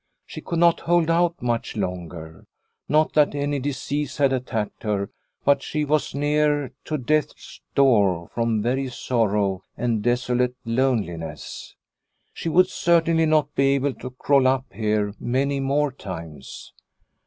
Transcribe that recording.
She could not hold out much longer ; not that any disease had attacked her, but she was near to death's door from very sorrow and desolate loneliness. She would certainly not be able to crawl up here many more times.